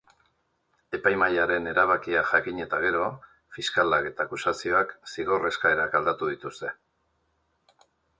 Epaimahaiaren erabakia jakin eta gero, fiskalak eta akusazioak zigor eskaerak aldatu dituzte.